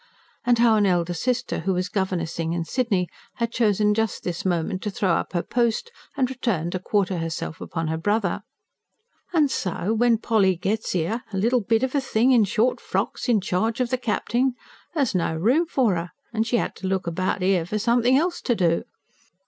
And how an elder sister, who was governessing in Sydney, had chosen just this moment to throw up her post and return to quarter herself upon the brother. "An' so when Polly gets 'ere a little bit of a thing in short frocks, in charge of the capt'n there was no room for 'er, an' she 'ad to look about 'er for somethin' else to do.